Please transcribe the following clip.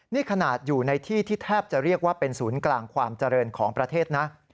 นี่ขนาดอยู่ในที่ที่แทบจะเรียกว่าเป็นศูนย์กลางความเจริญของประเทศนะ